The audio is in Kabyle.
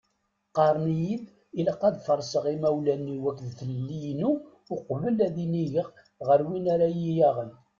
Qqaren-iyi-d ilaq ad farseɣ imawlan-iw akked d tlelli-inu uqbel ad inigeɣ ɣer win ara iyi-yaɣen.